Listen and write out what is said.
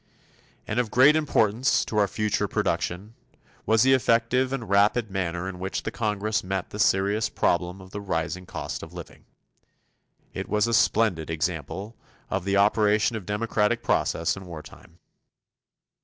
And of great importance to our future production was the effective and rapid manner in which the Congress met the serious problem of the rising cost of living. It was a splendid example of the operation of democratic processes in wartime.